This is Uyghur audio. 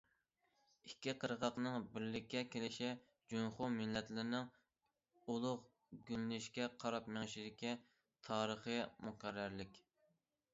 ئىككى قىرغاقنىڭ بىرلىككە كېلىشى جۇڭخۇا مىللەتلىرىنىڭ ئۇلۇغ گۈللىنىشكە قاراپ مېڭىشىدىكى تارىخىي مۇقەررەرلىك.